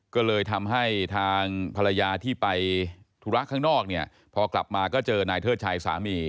ก็เลยทำให้ทางภรรยาที่ไปธุระข้างนอกเนี่ยพอกลับมาก็เจอนายเทิดชัยสามี